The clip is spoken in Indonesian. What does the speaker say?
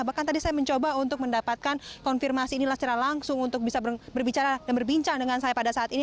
bahkan tadi saya mencoba untuk mendapatkan konfirmasi inilah secara langsung untuk bisa berbicara dan berbincang dengan saya pada saat ini